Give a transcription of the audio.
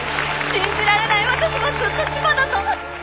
信じられない私もずっと千葉だと。